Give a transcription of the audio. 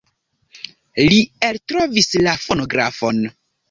Li eltrovis la fonografon.